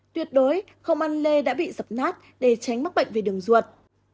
tuyệt đối không ăn lê đã bị dập nát để tránh mắc bệnh về đường ruột